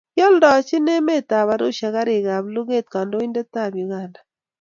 kioldochi emet ab russia karik ab luget kandoindet ab uganda